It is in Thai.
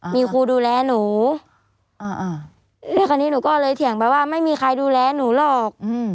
มีครูดูแลหนูแล้วคราวนี้หนูก็เลยเถียงไปว่าไม่มีใครดูแลหนูหรอก